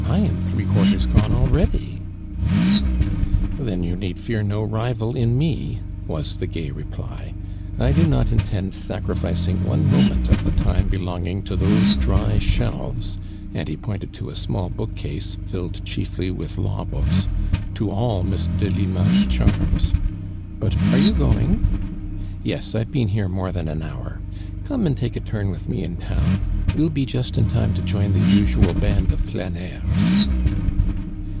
1 am three quarters gone already !" "Then you need fear no rival in me," was the gay reply. " I do not intend sacri ficing one moment of the time belonging to thoBO dry shelves" (and he pointed to a small book case filled chiefly wrtii law books) " to all Misf Delima's charms. But are you going?" Yes, I've been here more than an Iiour. <'0me, and take a turn with me in town. We'll be just in time to join the usual band of fldneurn.'